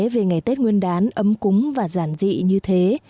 về ngày tết nguyên đán ấm cúng và giản dị như thế